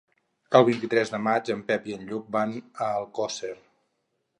El vint-i-tres de maig en Pep i en Lluc van a Alcosser.